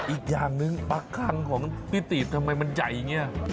อีกอย่างหนึ่งปลาคังของพี่ตีดทำไมมันใหญ่อย่างนี้